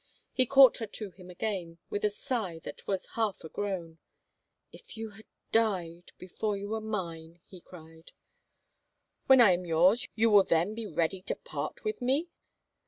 He caught her to him again with a sigh that was half a groan. If you had died — before you were mine !" he cried. When I am yours you will then be ready to part with me?"